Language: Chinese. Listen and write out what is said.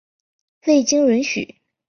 未经允许